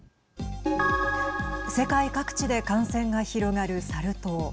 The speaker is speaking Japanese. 世界各地で感染が広がるサル痘。